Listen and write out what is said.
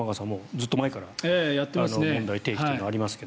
ずっと前から問題提起というのがありますが。